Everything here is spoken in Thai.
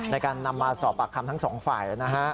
ในการนำมาสอบปากคำทั้งสองฝ่ายนะฮะ